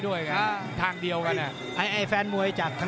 วันนี้เดี่ยงไปคู่แล้วนะพี่ป่านะ